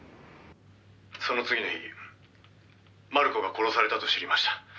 「その次の日マルコが殺されたと知りました」